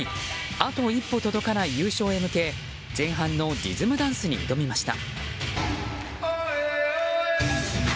あと一歩届かない優勝へ向け前半のリズムダンスに挑みました。